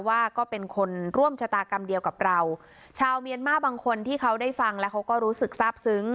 ว่าก็เป็นคนร่วมชะตากรรมเดียวกับเราชาวเมียนมาบางคนที่เขาได้ฟังแล้วเขาก็รู้สึกทราบซึ้ง